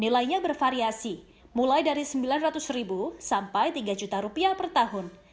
nilainya bervariasi mulai dari rp sembilan ratus sampai rp tiga juta per tahun